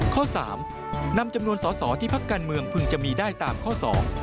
ข้อสามนำจำนวนสอสอที่พักการเมืองพึงจะมีได้ตามข้อสอง